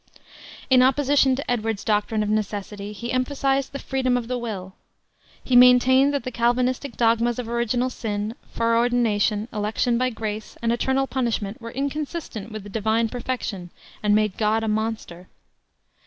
In opposition to Edwards's doctrine of necessity, he emphasized the freedom of the will. He maintained that the Calvinistic dogmas of original sin, foreordination, election by grace, and eternal punishment were inconsistent with the divine perfection, and made God a monster.